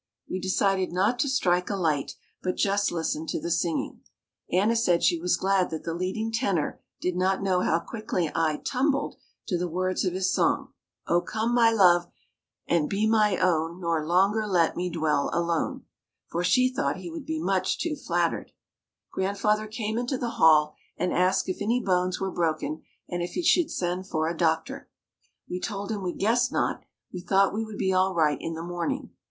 We decided not to strike a light, but just listen to the singing. Anna said she was glad that the leading tenor did not know how quickly I "tumbled" to the words of his song, "O come my love and be my own, nor longer let me dwell alone," for she thought he would be too much flattered. Grandfather came into the hall and asked if any bones were broken and if he should send for a doctor. We told him we guessed not, we thought we would be all right in the morning.